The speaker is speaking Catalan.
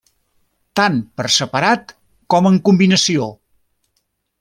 Tant per separat com en combinació.